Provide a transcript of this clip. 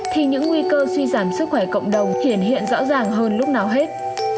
thì những nguy cơ suy giảm sức khỏe cộng đồng hiện hiện rõ ràng hơn lúc nào hết